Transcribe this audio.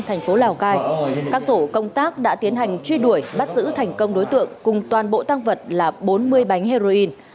thành phố lào cai các tổ công tác đã tiến hành truy đuổi bắt giữ thành công đối tượng cùng toàn bộ tăng vật là bốn mươi bánh heroin